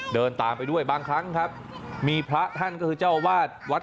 เดินตามไปด้วยบางครั้งครับมีพระท่านก็คือเจ้าอาวาสวัด